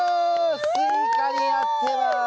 スイカになってます。